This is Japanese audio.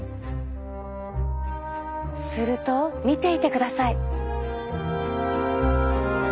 すると見ていてください。